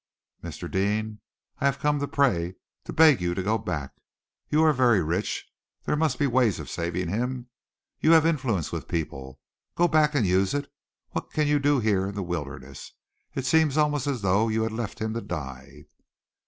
Mr. Deane, I have come to pray, to beg you to go back. You are very rich. There must be ways of saving him. You have influence with people. Go back and use it. What can you do here in the wilderness? It seems almost as though you had left him to die."